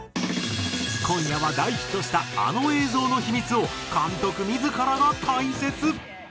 今夜は大ヒットしたあの映像の秘密を監督自らが解説。